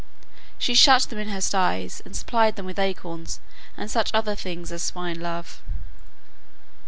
She shut them in her sties and supplied them with acorns and such other things as swine love.